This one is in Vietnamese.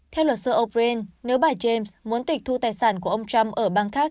theo luật sư o brien nếu bài james muốn tịch thu tài sản của ông trump ở bang khác